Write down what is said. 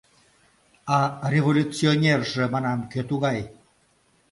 — А революционерже, манам, кӧ тугай?